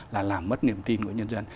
là làm mất niềm tin của nhân dân